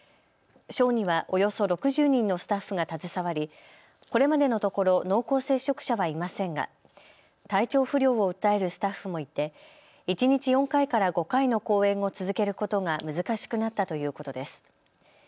ショーにはおよそ６０人のスタッフが携わりこれまでのところ濃厚接触者はいませんが体調不良を訴えるスタッフもいて１日４回から５回の公演を続けることが難しくなったということです。